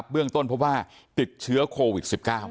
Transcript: เบื้องต้นพบว่าติดเชื้อโควิด๑๙